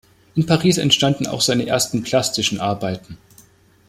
In Paris entstanden auch seine ersten plastischen Arbeiten.